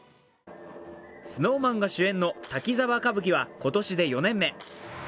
ＳｎｏｗＭａｎが主演の「滝沢歌舞伎」は今年で４年目。